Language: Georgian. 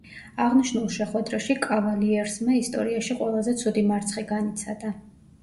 აღნიშნულ შეხვედრაში კავალიერსმა ისტორიაში ყველაზე ცუდი მარცხი განიცადა.